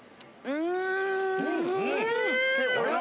うん！